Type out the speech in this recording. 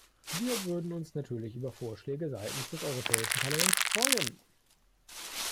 Wir würden uns natürlich über Vorschläge seitens des Europäischen Parlaments freuen.